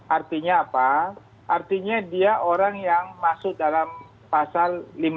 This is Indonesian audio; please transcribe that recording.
artinya apa artinya dia orang yang masuk dalam pasal lima ribu lima ratus lima puluh enam